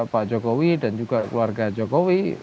pak jokowi dan juga keluarga jokowi